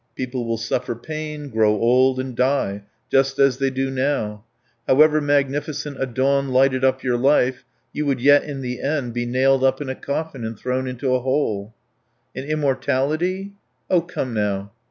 People will suffer pain, grow old, and die just as they do now. However magnificent a dawn lighted up your life, you would yet in the end be nailed up in a coffin and thrown into a hole." "And immortality?" "Oh, come, now!"